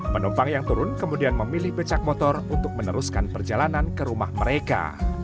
penumpang yang turun kemudian memilih becak motor untuk meneruskan perjalanan ke rumah mereka